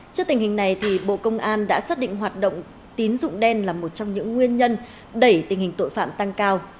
trước tình hình này bộ công an đã xác định hoạt động tín dụng đen là một trong những nguyên nhân đẩy tình hình tội phạm tăng cao